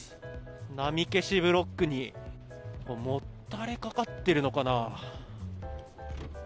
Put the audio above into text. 波消しブロックにもたれかかっているのかな。